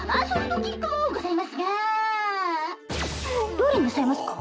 どれになさいますか？